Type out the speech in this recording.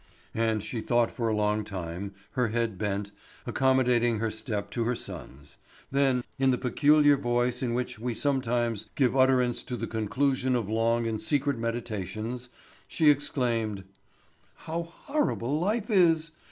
And she thought for a long time, her head bent, accommodating her step to her son's; then, in the peculiar voice in which we sometimes give utterance to the conclusion of long and secret meditations, she exclaimed: "How horrible life is!